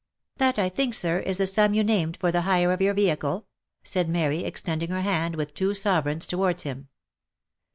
" That, I think, sir, is the sum you named for the hire of your vehicle ?" said Mary, extending her hand with two sovereigns towards him.